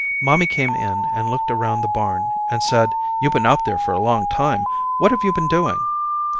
Mommy came in and looked around the barn and said you've been out here for a long time, what have you been doing?